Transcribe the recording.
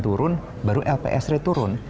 turun baru lps rate turun